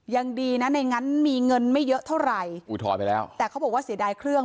ยังดีนะในนั้นมีเงินไม่เยอะเท่าไหร่อุทธรณ์ไปแล้วแต่เขาบอกว่าเสียดายเครื่อง